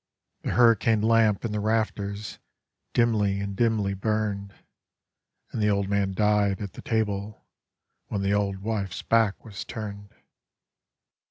The hurricane lamp in the rafters dimly and dimly burned; And the old man died at the table when the old wife's back was turned.